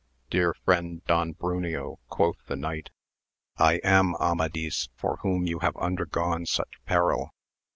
Dear friend Don Bruneo, quoth the knight, I am Amadis for whom you have undergone such peril!